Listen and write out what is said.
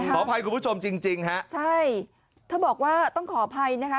ขออภัยคุณผู้ชมจริงจริงฮะใช่เธอบอกว่าต้องขออภัยนะคะ